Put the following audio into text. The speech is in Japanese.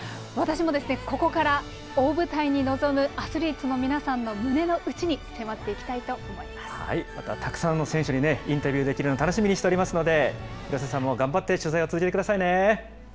私も、ここから大舞台に臨むアスリートの皆さんの胸の内に迫っていきたまたたくさんの選手にインタビューできるの、楽しみにしておりますので、廣瀬さんも頑張って、取材を続けてくださいね。